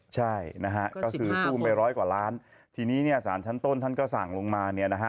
ใช่นะฮะก็คือซูมไปร้อยกว่าล้านทีนี้เนี่ยสารชั้นต้นท่านก็สั่งลงมาเนี่ยนะฮะ